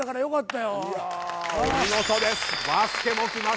よかった。